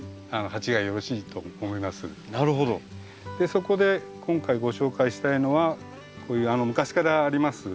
そこで今回ご紹介したいのはこういう昔からあります